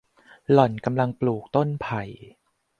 หล่อนกำลังปลูกต้นไผ่